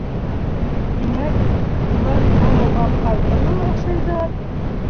Тимәк, улар баобабтарҙы ла ашайҙар?